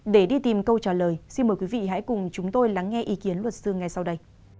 để đi tìm câu trả lời xin mời quý vị hãy cùng chúng tôi lắng nghe ý kiến luật sư ngay sau đây